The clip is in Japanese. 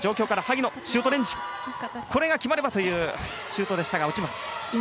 決まればというシュートでしたが落ちました。